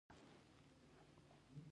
سړي حیرانې سترګې تواب ته نیولې.